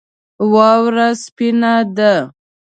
واوره سپینه ده